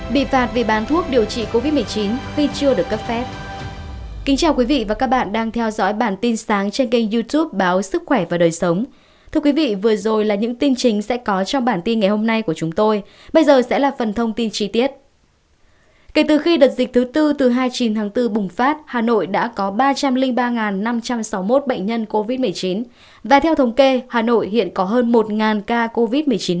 bị phạt vì bán thuốc điều trị covid một mươi chín khi chưa được cấp phép